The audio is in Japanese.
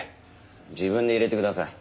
自分で入れてください。